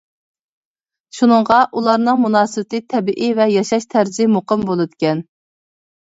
شۇنىڭغا ئۇلارنىڭ مۇناسىۋىتى تەبىئىي ۋە ياشاش تەرزى مۇقىم بولىدىكەن.